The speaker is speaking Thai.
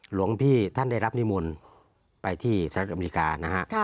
หลวงพี่ท่านได้รับนิมนต์ไปที่สหรัฐอเมริกานะฮะ